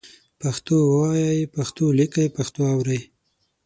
پښتو وایئ، پښتو لیکئ، پښتو اورئ